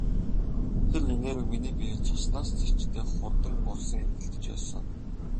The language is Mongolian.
Тэр энерги миний биеэр цуснаас ч эрчтэй хурдан урсан эргэлдэж байсан.